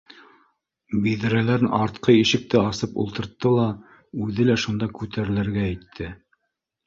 Биҙрәләрен артҡы ишекте асып ултыртты ла үҙе лә шунда күтәрелергә итте